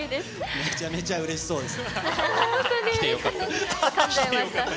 めちゃめちゃ嬉しそうです。